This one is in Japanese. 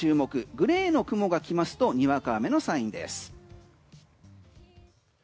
グレーの雲が来ますとにわか雨のサインです。